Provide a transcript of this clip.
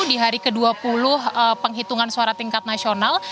di hari ke dua puluh penghitungan suara tingkat nasional